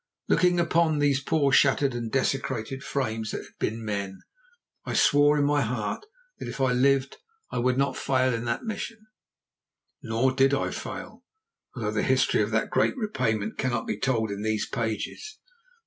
Looking upon those poor shattered and desecrated frames that had been men, I swore in my heart that if I lived I would not fail in that mission. Nor did I fail, although the history of that great repayment cannot be told in these pages.